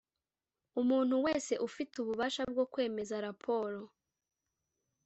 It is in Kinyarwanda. Umuntu wese ufite ububasha bwo kwemeza raporo